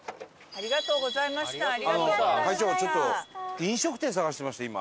あのちょっと飲食店探してまして今。